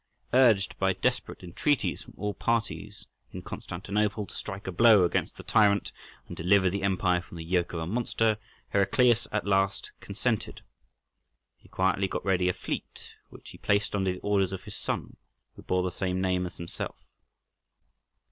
Urged by desperate entreaties from all parties in Constantinople to strike a blow against the tyrant, and deliver the empire from the yoke of a monster, Heraclius at last consented. He quietly got ready a fleet, which he placed under the orders of his son, who bore the same name as himself.